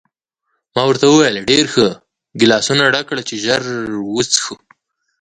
ما ورته وویل: ډېر ښه، ګیلاسونه ډک کړه چې ژر وڅښو.